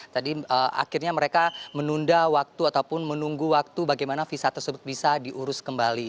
tadi akhirnya mereka menunda waktu ataupun menunggu waktu bagaimana visa tersebut bisa diurus kembali